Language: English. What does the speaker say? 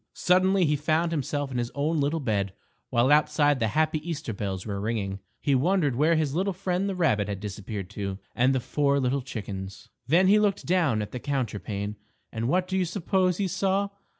_ Suddenly he found himself in his own little bed, while outside the happy Easter bells were ringing. He wondered where his little friend the rabbit had disappeared to, and the four little chickens. Then he looked down at the counterpane, and what do you suppose he saw.